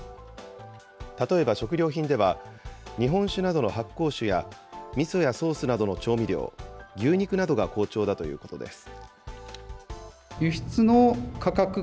例えば食料品では、日本酒などの発酵酒やみそやソースなどの調味料、牛肉などが好調だということです。